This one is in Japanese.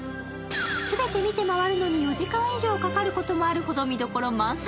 全て見て回るのに４時間以上かかることもあるほど見どころ満載。